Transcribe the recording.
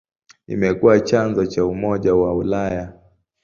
Imekuwa chanzo cha Umoja wa Ulaya.